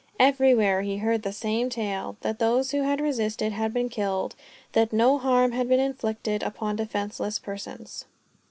Everywhere he heard the same tale; that those who had resisted had been killed, but that no harm had been inflicted upon defenseless persons.